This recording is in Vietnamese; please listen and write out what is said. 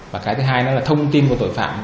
và cái thứ hai nữa là thông tin của tội phạm